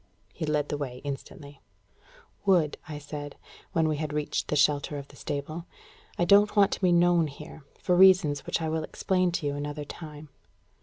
He led the way instantly. "Wood," I said, when we had reached the shelter of the stable, "I don't want to be known here, for reasons which I will explain to you another time."